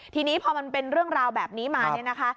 ทีนี้พอมันเป็นเรื่องราวแบบนี้มาเนี่ยนะคะ